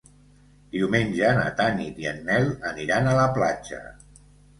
Diumenge na Tanit i en Nel aniran a la platja.